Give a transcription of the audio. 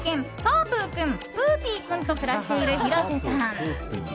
ーぷー君、ぷーぴー君と暮らしている広瀬さん。